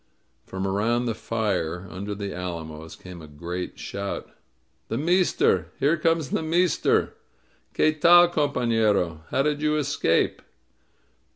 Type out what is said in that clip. '' From around the fire under the alamos came a great shout: "The meester! Here comes the meester! Qtie tal, compafierof How did you escape?"